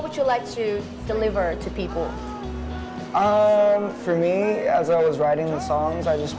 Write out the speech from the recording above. untuk saya ketika saya menulis lagu ini saya hanya ingin menjadi nyata